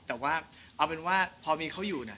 แต่ว่าเอาเป็นว่าพอมีเขาอยู่เนี่ย